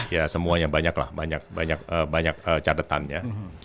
ya semuanya banyak lah banyak banyak catatannya